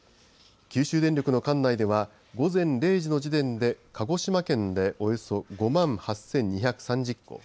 九州電力の管内では午前０時の時点で鹿児島県でおよそ５万８２３０戸。